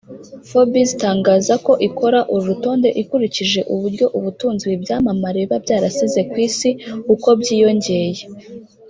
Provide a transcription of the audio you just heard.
Forbes itangaza ko ikora uru rutonde ikurikije Uburyo Ubutunzi ibi byamamare biba byarasize ku Isi uko bwiyongeye